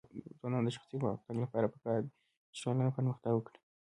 د ځوانانو د شخصي پرمختګ لپاره پکار ده چې ټولنه پرمختګ ورکړي.